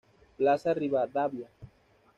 Plaza Rivadavia.